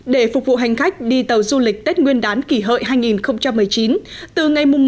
để phục vụ hành khách đi tàu du lịch tết nguyên đán kỷ hợi hai nghìn một mươi chín từ ngày một mươi